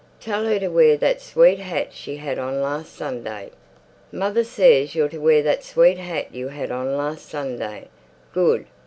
"Tell her to wear that sweet hat she had on last Sunday." "Mother says you're to wear that sweet hat you had on last Sunday. Good.